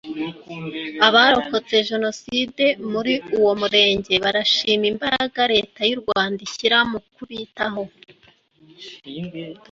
Abarokotse Jenoside muri uwo murenge barashima imbaraga leta y’u Rwanda ishyira mu kubitaho